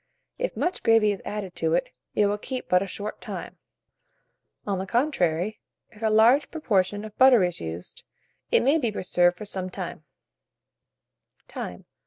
If much gravy is added to it, it will keep but a short time; on the contrary, if a large proportion of butter is used, it may be preserved for some time.